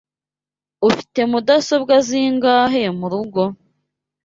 Ufite mudasobwa zingahe murugo?